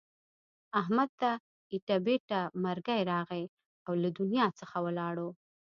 احمد ته ایټه بیټه مرگی راغی او له دنیا څخه ولاړو.